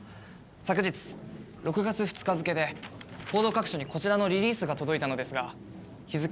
昨日６月２日付で報道各所にこちらのリリースが届いたのですが日付をご覧下さい。